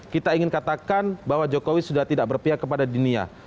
kita ingin katakan bahwa jokowi sudah tidak berpihak kepada dunia